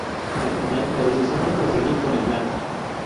Al final la decisión fue proseguir con el plan.